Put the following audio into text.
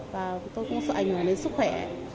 và tôi cũng sợ ảnh hưởng đến sức khỏe